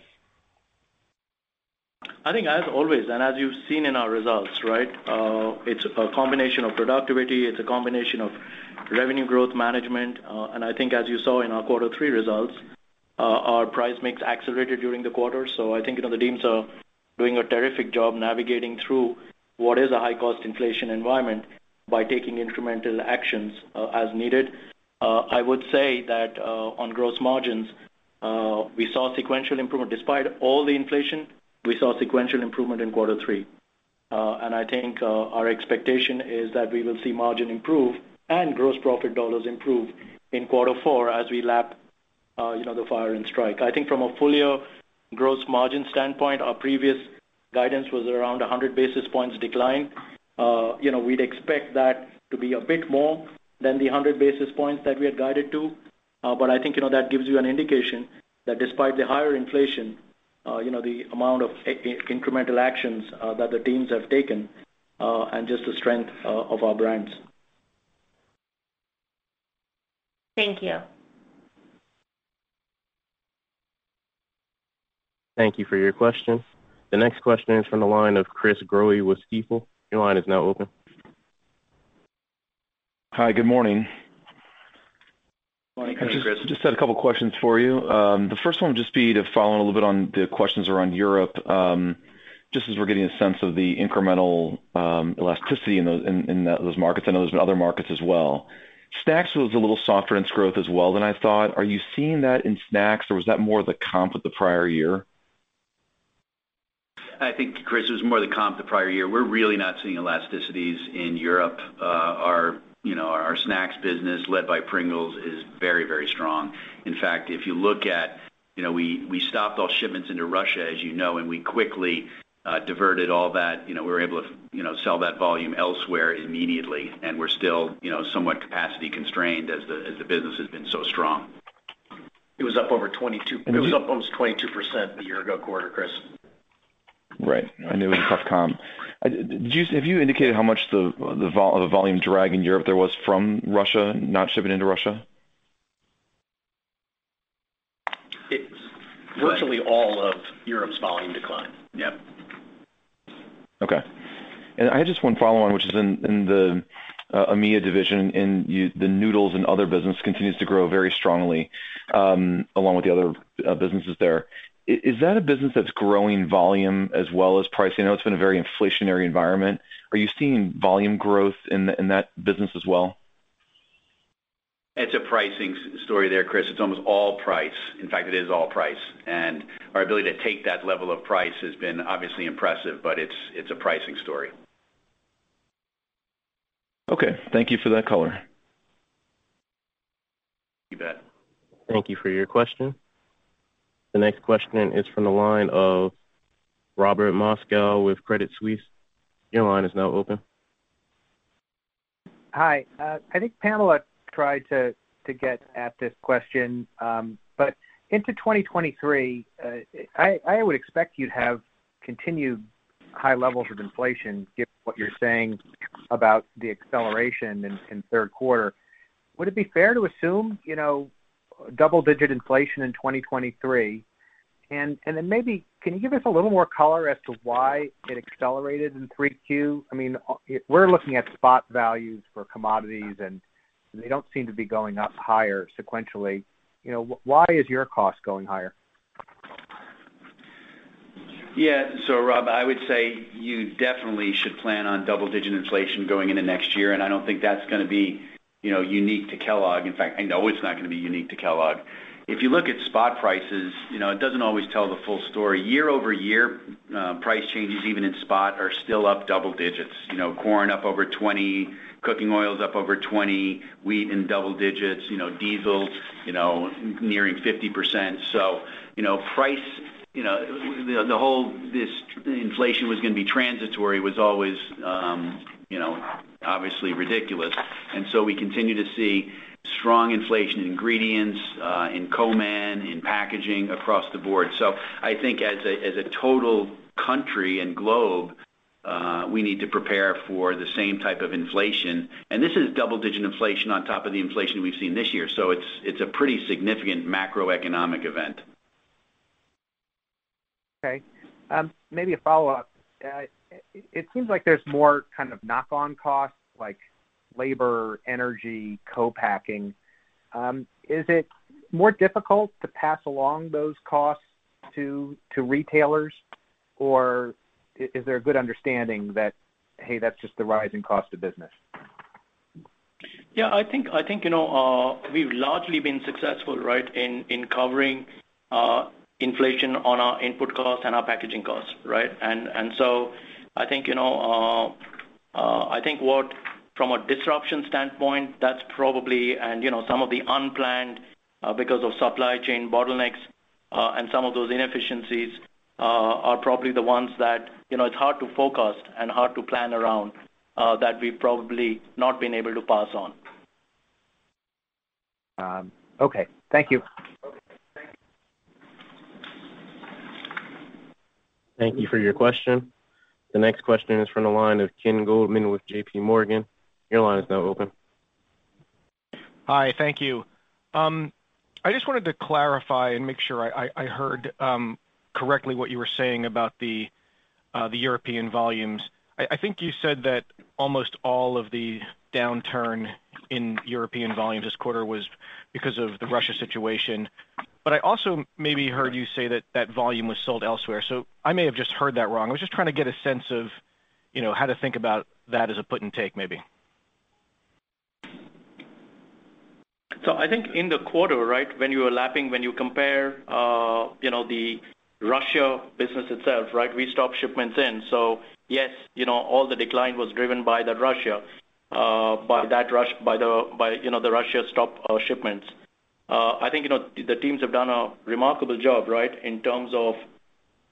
I think as always, and as you've seen in our results, right, it's a combination of productivity, it's a combination of revenue growth management. I think as you saw in our quarter three results, our price mix accelerated during the quarter. I think, you know, the teams are doing a terrific job navigating through what is a high cost inflation environment by taking incremental actions, as needed. I would say that, on gross margins, we saw sequential improvement. Despite all the inflation, we saw sequential improvement in quarter three. I think, our expectation is that we will see margin improve and gross profit dollars improve in quarter four as we lap, you know, the fire and strike. I think from a full year gross margin standpoint, our previous guidance was around 100 basis points decline. You know, we'd expect that to be a bit more than the 100 basis points that we had guided to. I think, you know, that gives you an indication that despite the higher inflation, you know, the amount of incremental actions that the teams have taken, and just the strength of our brands. Thank you. Thank you for your question. The next question is from the line of Chris Growe with Stifel. Your line is now open. Hi, good morning. Good morning, Chris. I just had a couple questions for you. The first one would just be to follow a little bit on the questions around Europe, just as we're getting a sense of the incremental elasticity in those markets. I know there's been other markets as well. Snacks was a little softer in its growth as well than I thought. Are you seeing that in snacks or was that more the comp of the prior year? I think, Chris, it was more the comp the prior year. We're really not seeing elasticities in Europe. Our, you know, our snacks business led by Pringles is very, very strong. In fact, if you look at, you know, we stopped all shipments into Russia, as you know, and we quickly diverted all that. You know, we were able to, you know, sell that volume elsewhere immediately, and we're still, you know, somewhat capacity constrained as the business has been so strong. It was up over 22%. It was up almost 22% the year-ago quarter, Chris. Right. I know it was a tough comp. Have you indicated how much the volume drag in Europe there was from Russia, not shipping into Russia? It's virtually all of Europe's volume decline. Yep. Okay. I had just one follow on, which is in the AMEA division and the noodles and other business continues to grow very strongly, along with the other businesses there. Is that a business that's growing volume as well as pricing? I know it's been a very inflationary environment. Are you seeing volume growth in that business as well? It's a pricing story there, Chris. It's almost all price. In fact, it is all price. Our ability to take that level of price has been obviously impressive, but it's a pricing story. Okay. Thank you for that color. You bet. Thank you for your question. The next question is from the line of Robert Moskow with Credit Suisse. Your line is now open. Hi. I think Pamela tried to get at this question. But going into 2023, I would expect you'd have continued high levels of inflation, given what you're saying about the acceleration in third quarter. Would it be fair to assume, you know, double-digit inflation in 2023? And then maybe can you give us a little more color as to why it accelerated in 3Q? I mean, we're looking at spot values for commodities, and they don't seem to be going up higher sequentially. You know, why is your cost going higher? Yeah. Rob, I would say you definitely should plan on double-digit inflation going into next year, and I don't think that's gonna be, you know, unique to Kellogg. In fact, I know it's not gonna be unique to Kellogg. If you look at spot prices, you know, it doesn't always tell the full story. Year-over-year price changes, even in spot, are still up double digits. You know, corn up over 20%, cooking oils up over 20%, wheat in double digits, you know, diesel, you know, nearing 50%. You know, price, you know, the whole this inflation was gonna be transitory was always, you know, obviously ridiculous. We continue to see strong inflation in ingredients, in co-man, in packaging across the board. I think as a total country and globe, we need to prepare for the same type of inflation. This is double-digit inflation on top of the inflation we've seen this year. It's a pretty significant macroeconomic event. Okay. Maybe a follow-up. It seems like there's more kind of knock on costs like labor, energy, co-packing. Is it more difficult to pass along those costs to retailers, or is there a good understanding that, hey, that's just the rising cost of business? Yeah, I think you know we've largely been successful right in covering inflation on our input costs and our packaging costs right? I think you know from a disruption standpoint that's probably you know some of the unplanned because of supply chain bottlenecks and some of those inefficiencies are probably the ones that you know it's hard to forecast and hard to plan around that we've probably not been able to pass on. Okay. Thank you. Okay. Thank you. Thank you for your question. The next question is from the line of Ken Goldman with JPMorgan. Your line is now open. Hi, thank you. I just wanted to clarify and make sure I heard correctly what you were saying about the European volumes. I think you said that almost all of the downturn in European volumes this quarter was because of the Russia situation. I also maybe heard you say that that volume was sold elsewhere, so I may have just heard that wrong. I was just trying to get a sense of, you know, how to think about that as a put and take, maybe. I think in the quarter, right, when you are lapping, when you compare, you know, the Russia business itself, right, we stopped shipments in. Yes, you know, all the decline was driven by the Russia stop shipments. I think, you know, the teams have done a remarkable job, right, in terms of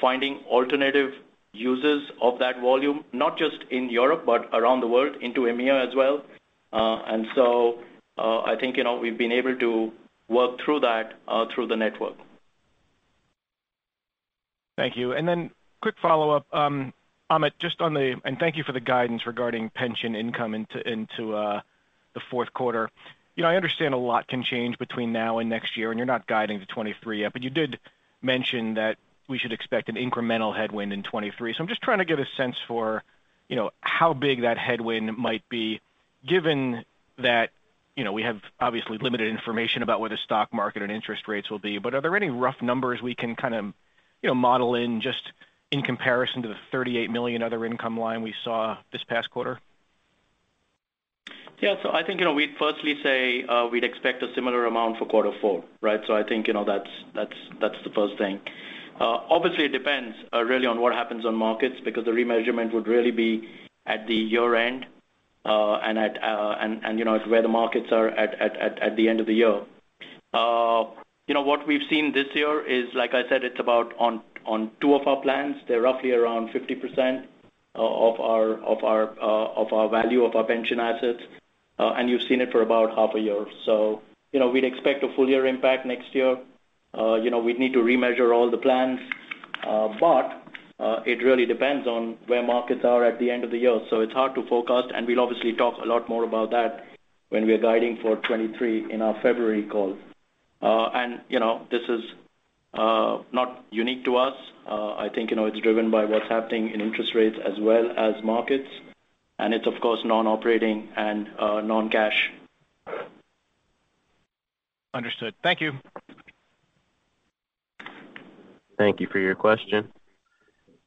finding alternative users of that volume, not just in Europe, but around the world into AMEA as well. I think, you know, we've been able to work through that, through the network. Thank you. Quick follow-up. Amit, just on, and thank you for the guidance regarding pension income into the fourth quarter. You know, I understand a lot can change between now and next year, and you're not guiding to 2023 yet, but you did mention that we should expect an incremental headwind in 2023. I'm just trying to get a sense for, you know, how big that headwind might be given that, you know, we have obviously limited information about where the stock market and interest rates will be. Are there any rough numbers we can kind of, you know, model in just in comparison to the $38 million other income line we saw this past quarter? Yeah. I think, you know, we'd firstly say, we'd expect a similar amount for quarter four, right? I think, you know, that's the first thing. Obviously, it depends really on what happens on markets because the remeasurement would really be at the year-end, and you know, where the markets are at the end of the year. You know, what we've seen this year is, like I said, it's about on two of our plans. They're roughly around 50% of our value of our pension assets, and you've seen it for about half a year. You know, we'd expect a full year impact next year. You know, we'd need to remeasure all the plans, but it really depends on where markets are at the end of the year. It's hard to forecast, and we'll obviously talk a lot more about that when we are guiding for 2023 in our February call. You know, this is not unique to us. I think, you know, it's driven by what's happening in interest rates as well as markets, and it's of course non-operating and non-cash. Understood. Thank you. Thank you for your question.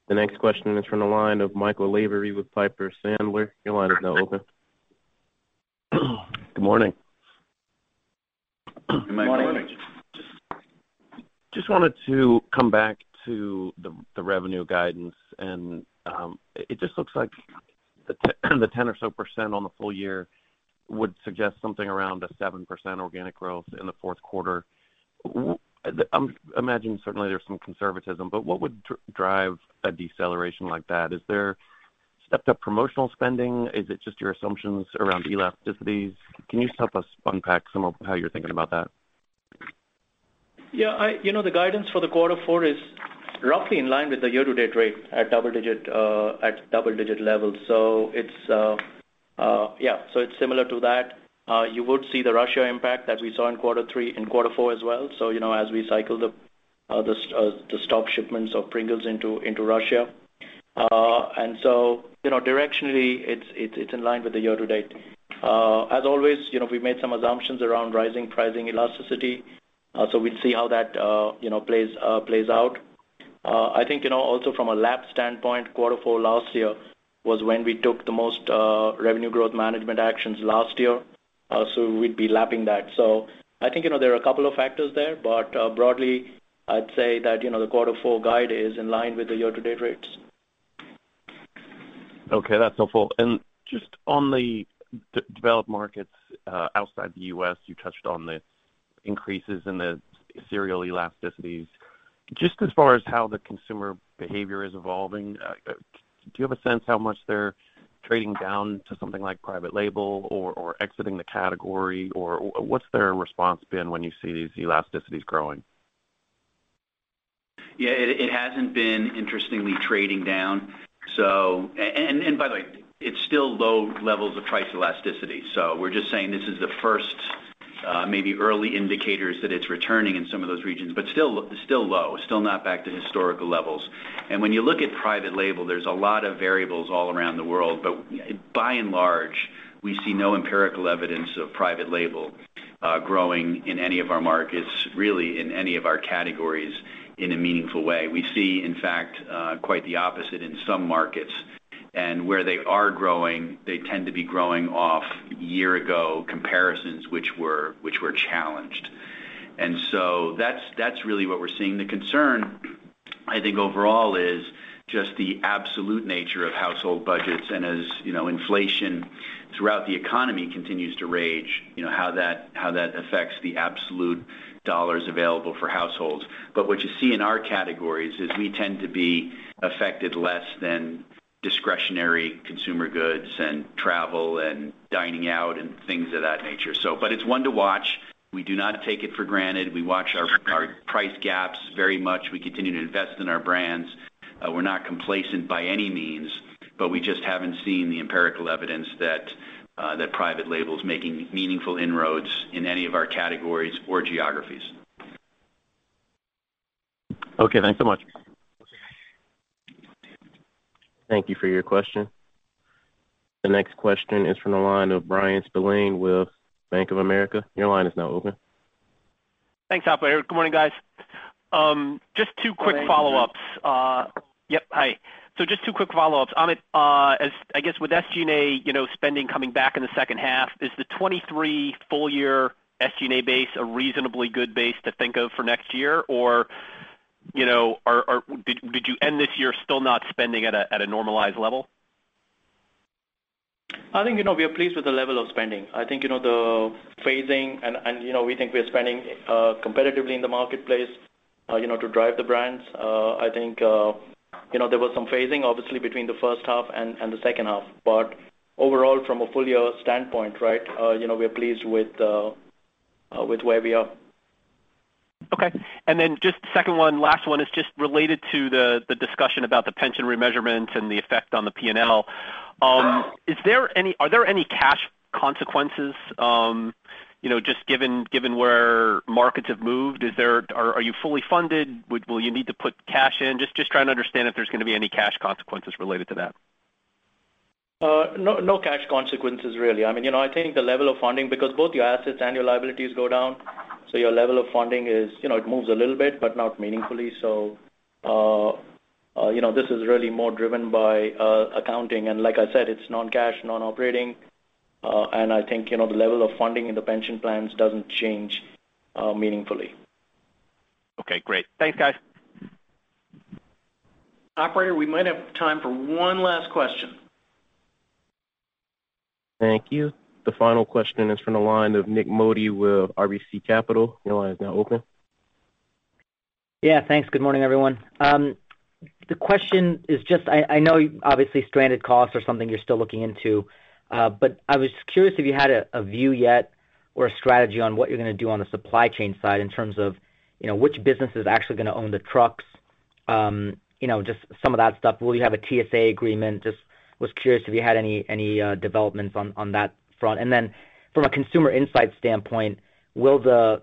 The next question is from the line of Michael Lavery with Piper Sandler. Your line is now open. Good morning. Good morning. Just wanted to come back to the revenue guidance, and it just looks like the 10% or so on the full year would suggest something around a 7% organic growth in the fourth quarter. I'm imagining certainly there's some conservatism, but what would drive a deceleration like that? Is there stepped up promotional spending? Is it just your assumptions around elasticities? Can you just help us unpack some of how you're thinking about that? You know, the guidance for quarter four is roughly in line with the year-to-date rate at double-digit levels. It's similar to that. You would see the Russia impact that we saw in quarter three, in quarter four as well. You know, as we cycle the stopped shipments of Pringles into Russia. You know, directionally, it's in line with the year-to-date. As always, you know, we made some assumptions around rising pricing elasticity, so we'll see how that plays out. I think, you know, also from a macro standpoint, quarter four last year was when we took the most revenue growth management actions last year, so we'd be lapping that. I think, you know, there are a couple of factors there, but broadly, I'd say that, you know, the quarter four guide is in line with the year-to-date rates. Okay, that's helpful. Just on the developing markets outside the U.S., you touched on the increases in the cereal elasticities. Just as far as how the consumer behavior is evolving, do you have a sense how much they're trading down to something like private label or exiting the category? Or what's their response been when you see these elasticities growing? Yeah, it hasn't been interesting trading down. By the way, it's still low levels of price elasticity. We're just saying this is the first maybe early indicators that it's returning in some of those regions, but still low, still not back to historical levels. When you look at private label, there's a lot of variables all around the world. By and large, we see no empirical evidence of private label growing in any of our markets, really in any of our categories in a meaningful way. We see, in fact, quite the opposite in some markets. Where they are growing, they tend to be growing off year-ago comparisons which were challenged. That's really what we're seeing. The concern, I think, overall, is just the absolute nature of household budgets, and as you know, inflation throughout the economy continues to rage, you know, how that affects the absolute dollars available for households. What you see in our categories is we tend to be affected less than discretionary consumer goods and travel and dining out and things of that nature. It's one to watch. We do not take it for granted. We watch our price gaps very much. We continue to invest in our brands. We're not complacent by any means. We just haven't seen the empirical evidence that private label is making meaningful inroads in any of our categories or geographies. Okay, thanks so much. Thank you for your question. The next question is from the line of Bryan Spillane with Bank of America. Your line is now open. Thanks, operator. Good morning, guys. Just two quick follow-ups. Amit, I guess, with SG&A, you know, spending coming back in the second half, is the 2023 full year SG&A base a reasonably good base to think of for next year? Or, you know, did you end this year still not spending at a normalized level? I think, you know, we are pleased with the level of spending. I think, you know, the phasing and, you know, we think we are spending competitively in the marketplace, you know, to drive the brands. I think, you know, there was some phasing obviously between the first half and the second half. Overall, from a full year standpoint, right, you know, we're pleased with where we are. Okay. Just second one, last one is just related to the discussion about the pension remeasurement and the effect on the P&L. Are there any cash consequences, you know, just given where markets have moved? Are you fully funded? Will you need to put cash in? Just trying to understand if there's gonna be any cash consequences related to that. No, no cash consequences, really. I mean, you know, I think the level of funding, because both your assets and your liabilities go down, so your level of funding is, you know, it moves a little bit, but not meaningfully. You know, this is really more driven by accounting. Like I said, it's non-cash, non-operating, and I think, you know, the level of funding in the pension plans doesn't change meaningfully. Okay, great. Thanks, guys. Operator, we might have time for one last question. Thank you. The final question is from the line of Nik Modi with RBC Capital. Your line is now open. Yeah, thanks. Good morning, everyone. The question is just, I know obviously stranded costs are something you're still looking into, but I was curious if you had a view yet or a strategy on what you're gonna do on the supply chain side in terms of, you know, which business is actually gonna own the trucks, you know, just some of that stuff. Will you have a TSA agreement? Just was curious if you had any developments on that front. From a consumer insight standpoint, will the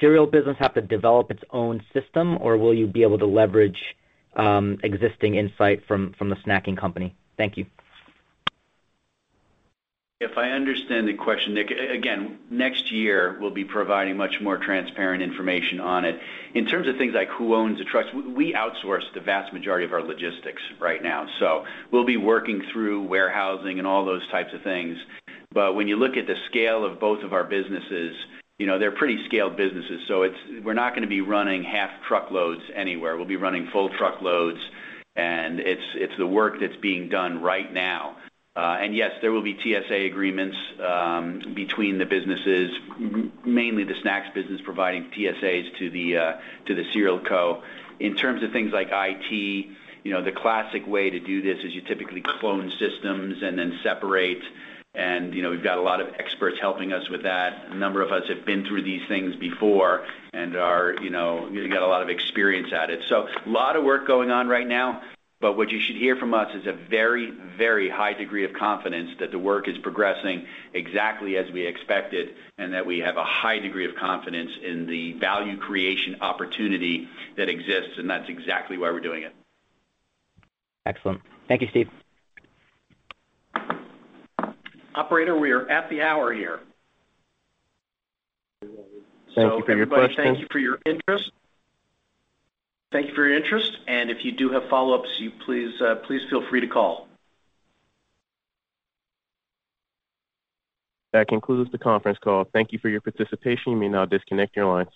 cereal business have to develop its own system, or will you be able to leverage existing insight from the snacking company? Thank you. If I understand the question, Nik, again, next year we'll be providing much more transparent information on it. In terms of things like who owns the trucks, we outsource the vast majority of our logistics right now. We'll be working through warehousing and all those types of things. When you look at the scale of both of our businesses, you know, they're pretty scaled businesses, so it's, we're not gonna be running half truckloads anywhere. We'll be running full truckloads, and it's the work that's being done right now. Yes, there will be TSA agreements between the businesses, mainly the snacks business providing TSAs to the Cereal Co. In terms of things like IT, you know, the classic way to do this is you typically clone systems and then separate. You know, we've got a lot of experts helping us with that. A number of us have been through these things before and are, you know, you got a lot of experience at it. A lot of work going on right now, but what you should hear from us is a very, very high degree of confidence that the work is progressing exactly as we expected, and that we have a high degree of confidence in the value creation opportunity that exists, and that's exactly why we're doing it. Excellent. Thank you, Steve. Operator, we are at the hour here. Thank you for your question. Everybody, thank you for your interest, and if you do have follow-ups, please feel free to call. That concludes the conference call. Thank you for your participation. You may now disconnect your lines.